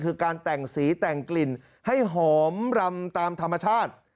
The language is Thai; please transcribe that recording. คือการแต่งสีแต่งกลิ่นให้หอมรำตามธรรมชาติ